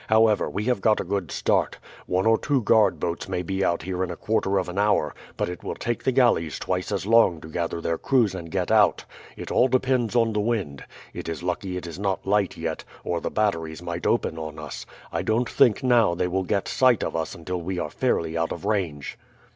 However, we have got a good start. One or two guard boats may be out here in a quarter of an hour, but it will take the galleys twice as long to gather their crews and get out. It all depends on the wind. It is lucky it is not light yet, or the batteries might open on us; I don't think now they will get sight of us until we are fairly out of range."